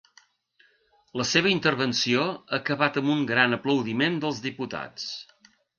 La seva intervenció ha acabat amb un gran aplaudiment dels diputats.